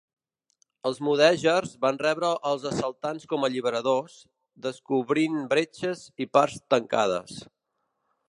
Els mudèjars van rebre els assaltants com alliberadors, descobrint bretxes i parts tancades.